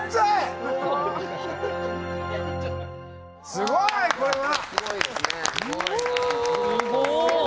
すごいこれは！